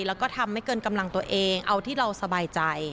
แล้วก็ทำไม่เกินกำลังตัวเองเอาที่เราสบายใจ